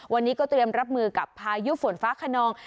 วันนี้ก็เตรียมรับมือกับพายุฝนฟ้าขนอง